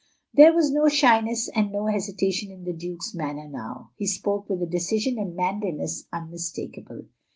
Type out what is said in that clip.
There was no shyness and no hesitation in the Duke's manner now. He spoke with a decision and manliness unmistakable.